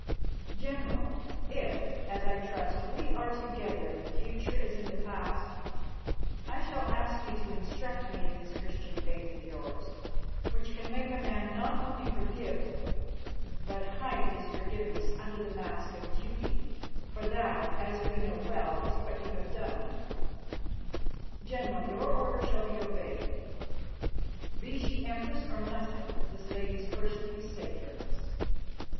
General, if, as I trust, we are together in the future as in the past, I shall ask you to instruct me in this Christian faith of yours, which can make a man not only forgive but hide his forgiveness under the mask of duty, for that, as we know well, is what you have done. General, your order shall be obeyed. Be she Empress or nothing, this lady's person is safe from us.